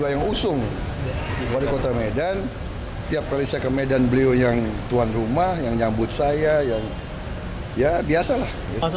ya enggak lah